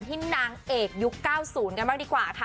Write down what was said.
นางเอกยุค๙๐กันบ้างดีกว่าค่ะ